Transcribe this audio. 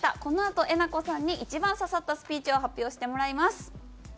このあとえなこさんに一番刺さったスピーチを発表してもらいます。